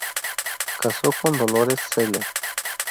Casó con Dolores Zeller.